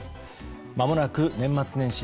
まもなく年末年始。